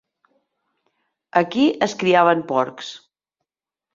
Aquí es criaven porcs.